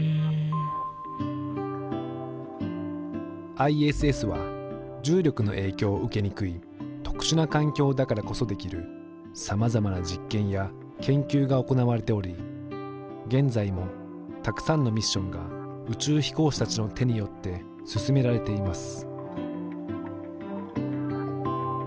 ＩＳＳは重力の影響を受けにくい特殊な環境だからこそできるさまざまな実験や研究が行われており現在もたくさんのミッションが宇宙飛行士たちの手によって進められています。